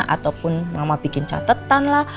ataupun mama bikin catatan lah